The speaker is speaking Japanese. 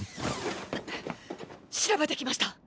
調べてきました！